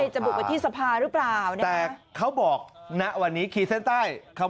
ใช่เจ้าบุตรวิธีสภาหรือเปล่า